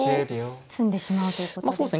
詰んでしまうということですか。